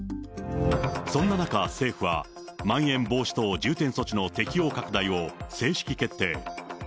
そんな中、政府はまん延防止等重点措置の適用拡大を、正式決定。